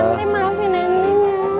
nanti maafin nenek ya